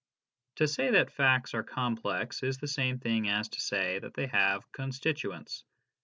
To say that facts are complex is the same thing as to say that they have constituents.